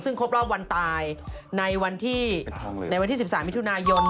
ซึ่งครบรอบวันตายในวันที่๑๓มิถุนายน